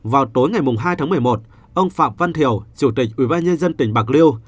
vào tối ngày hai tháng một mươi một ông phạm văn thiểu chủ tịch ubnd tỉnh bạc liêu